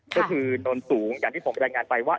ก็คือนนสูงอย่างที่ผมรายงานไปว่า